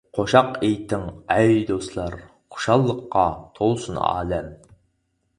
قوشاق ئېيتىڭ ئەي دوستلار، خۇشاللىققا تولسۇن ئالەم.